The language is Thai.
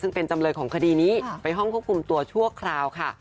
ซึ่งเป็นจำเลยของคดีนี้ไปห้องควบคุมตัวชั่วคราวค่ะ